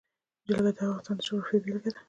جلګه د افغانستان د جغرافیې بېلګه ده.